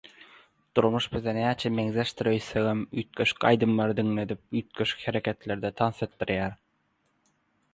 Durmuş bize näçe meňzeşdir öýtsegem üýtgeşik aýdymlary diňledip üýtgeşik hereketlerde tans etdirýär.